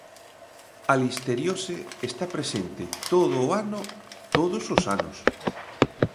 A listeriose está presente todo o ano, todos os anos.